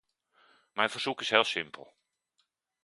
Mijn verzoek is heel simpel.